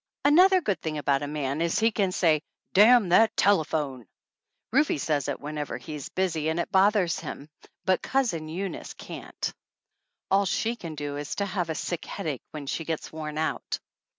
Another good thing about a man is he can say, "Damn that telephone!" Rufe says it whenever he's busy and it bothers him, but Cousin Eunice can't. All she can do is to have sick headache when she gets worn out.